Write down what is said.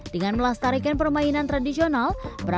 dengan melastarikan permainan tradisional